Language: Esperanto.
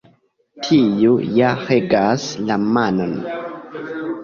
Tiu ja regas la manon.